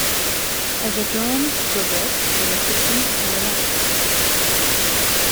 As the terms progress, the restrictions are relaxed.